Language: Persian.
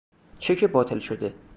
چک باطل شده